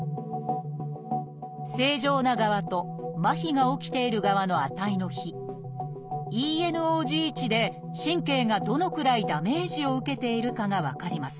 正常な側と麻痺が起きている側の値の比ＥＮｏＧ値で神経がどのくらいダメージを受けているかが分かります。